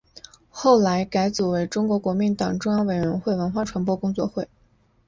后来改组为中国国民党中央委员会文化传播工作会。